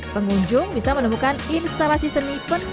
pengunjung bisa menemukan instalasi seni penuh makmur